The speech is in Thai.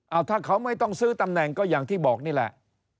เอาถ้าเขาไม่ต้องซื้อตำแหน่งก็อย่างที่บอกนี่แหละ